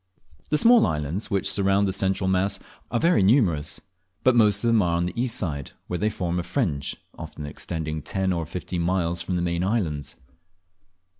The small islands which surround the central mass are very numerous; but most of them are on the east side, where they form a fringe, often extending ten or fifteen miles from the main islands.